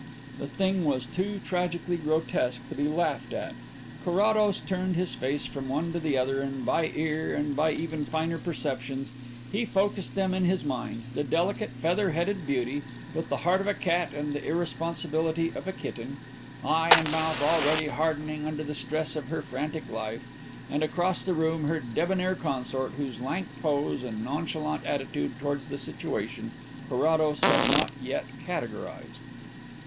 The thing was too tragically grotesque to be laughed at. Carrados turned his face from one to the other and by ear, and by even finer perceptions, he focussed them in his mind the delicate, feather headed beauty, with the heart of a cat and the irresponsibility of a kitten, eye and mouth already hardening under the stress of her frantic life, and, across the room, her debonair consort, whose lank pose and nonchalant attitude towards the situation Carrados had not yet categorized.